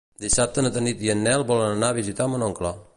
Dissabte na Tanit i en Nel volen anar a visitar mon oncle.